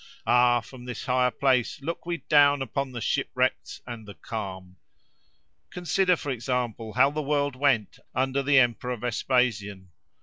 Ah! from this higher place, look we down upon the ship wrecks and the calm! Consider, for example, how the world went, under the emperor Vespasian.